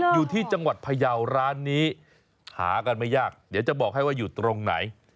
อยู่ที่จังหวัดพยาวร้านนี้หากันไม่ยากเดี๋ยวจะบอกให้ว่าอยู่ตรงไหน